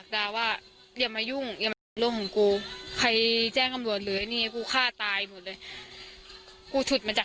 นี่นะคะ